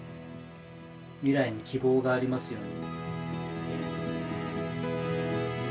未来に希望がありますように！